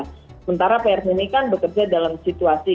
sementara pers ini kan bekerja dalam situasi